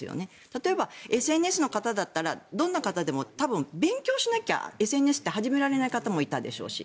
例えばＳＮＳの方だったらどんな方でも多分、勉強しなきゃＳＮＳって始められない方もいたでしょうし